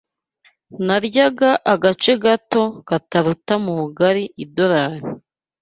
Naryaga agace gato kataruta mu bugari idolari.